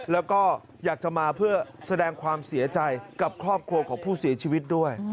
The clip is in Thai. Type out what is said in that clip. แล้วก็อยากจะมาเพื่อแสดงความเสียใจกับครอบครัวของผู้เสียชีวิตด้วย